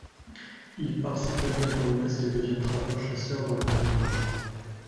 Il part s'établir dans l'ouest et devient trappeur-chasseur dans le Wyoming.